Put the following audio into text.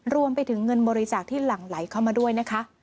รวมไปถึงเงินบริจาคที่หลั่งไหลเข้ามาด้วยนะคะ